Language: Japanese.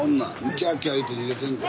キャーキャーって言うてんで。